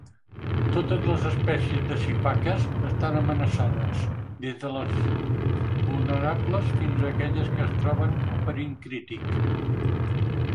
Totes les espècies de sifaques estan amenaçades, des de les vulnerables fins a aquelles que es troben en perill crític.